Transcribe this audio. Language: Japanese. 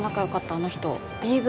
あの人ＢＶ